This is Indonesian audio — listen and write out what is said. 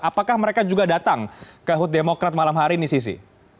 apakah mereka juga datang ke hut demokrat malam hari ini sisi